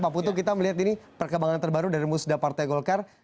pak putu kita melihat ini perkembangan terbaru dari musda partai golkar